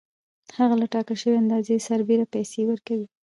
هغه له ټاکل شوې اندازې سربېره پیسې ورکوي